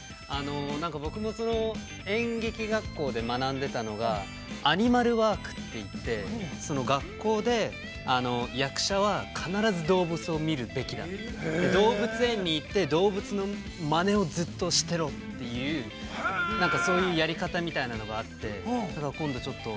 僕も演劇学校で学んでいたのが、アニマルワークといって、学校で役者は必ず動物を見るべきだ、動物園に行って、動物のマネをずっとしてろなんかそういうやり方みたいなのがあって、今度ちょっと。